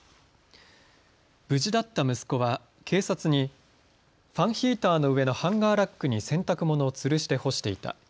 無事だった息子は警察にファンヒーターの上のハンガーラックに洗濯物をつるして干していた。